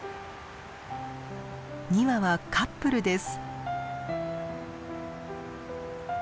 ２羽はカップルです。